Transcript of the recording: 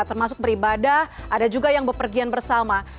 termasuk beribadah ada juga yang berpergian bersama